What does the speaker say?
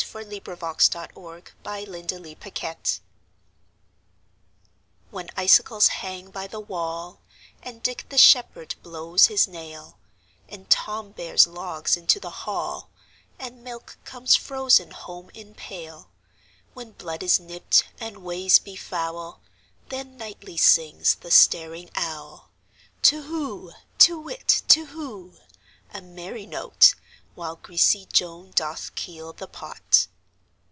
Winter WHEN icicles hang by the wallAnd Dick the shepherd blows his nail, And Tom bears logs into the hall, And milk comes frozen home in pail; When blood is nipt, and ways be foul, Then nightly sings the staring owlTu whoo! To whit, Tu whoo! A merry note! While greasy Joan doth keel the pot.